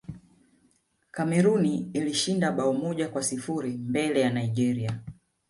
cameroon ilishinda bao moja kwa sifuri mbele ya nigeria